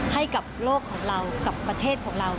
ให้กับโลกของเรากับประเทศของเรา